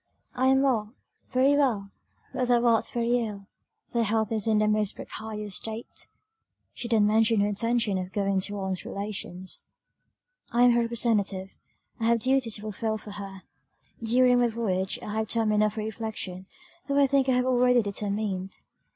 "I am well, very well; but thou art very ill thy health is in the most precarious state." She then mentioned her intention of going to Ann's relations. "I am her representative, I have duties to fulfil for her: during my voyage I have time enough for reflection; though I think I have already determined."